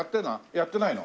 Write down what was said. やってないの？